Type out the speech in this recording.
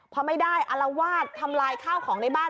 พอไม่ได้อารวาสทำลายข้าวของในบ้าน